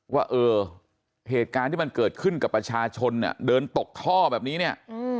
ว่าเออเหตุการณ์ที่มันเกิดขึ้นกับประชาชนเดินตกท่อแบบนี้เนี่ย